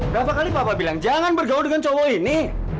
berapa kali papa bilang jangan bergaul dengan cowok ini